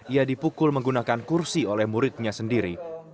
ia dipukul menggunakan kursi oleh muridnya sendiri